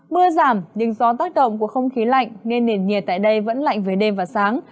mưa giảm nhưng do tác động của không khí lạnh nên nền nhiệt tại đây vẫn lạnh về đêm và sáng